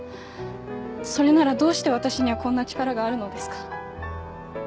それならどうして私にはこんな力があるのですか。